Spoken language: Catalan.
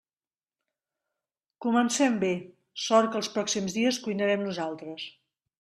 Comencem bé, sort que els pròxims dies cuinarem nosaltres.